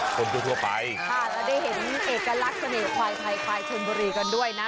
ค่ะแล้วได้เห็นเอกลักษณ์เสน่ห์ควายไทยควายเชิงบุรีกันด้วยนะ